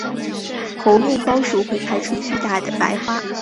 猴面包树会开出巨大的白花。